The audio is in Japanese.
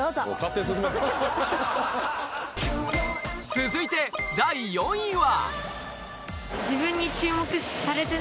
続いて第４位は？